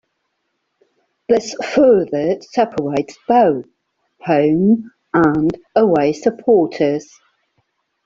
This further separates both Home and Away supporters.